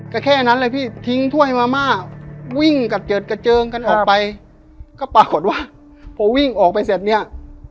ก็แค่นั้นเลยพี่ทิ้งถ้วยมาม่าวิ่งกระเจิดกระเจิงกันออกไปก็ปรากฏว่าพอวิ่งออกไปเสร็จเนี่ย